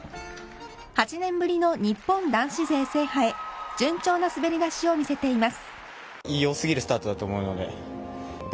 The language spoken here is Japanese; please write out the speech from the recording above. ８年ぶりの日本男子制覇へ日本男子勢制覇へ、順調な滑り出しを見せています。